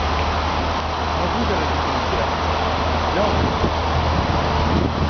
no opuse resistencia. ¡ no!